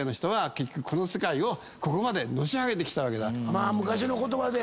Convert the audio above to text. まあ昔の言葉で。